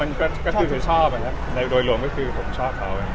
มันเยอะไปหมดแล้วครับแต่มันก็ชอบมันก็คือชอบแล้วโดยรวมก็คือผมชอบเขา